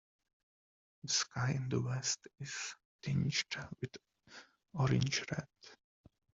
The sky in the west is tinged with orange red.